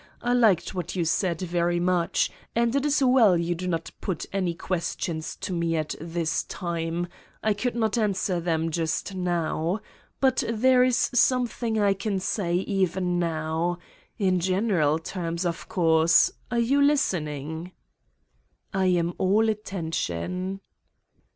I liked what you said very much and it is well you do not put any questions to me at this time: I could not answer them just now. But there is something I can say even now ... in general terms, of course. Are you listening?" "I am all attention."